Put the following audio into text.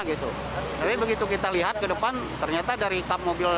tapi begitu kita lihat ke depan ternyata dari kap mobil